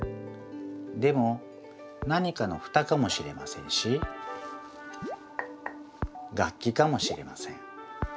でも何かのふたかもしれませんし楽きかもしれません。